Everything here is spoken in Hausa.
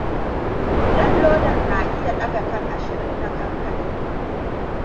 Lallodar na iya ɗaga tan ashirin na kankare.